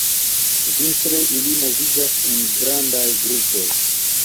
Vintre ili moviĝas en grandaj grupoj.